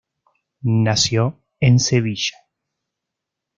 Nació en Sevilla.